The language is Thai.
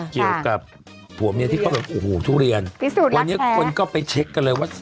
เกี่ยวกับผัวแม่ที่เขาเห็นอู้หูทุเรียนวันนี้คุณก็ไปเช็คกันเลยว่า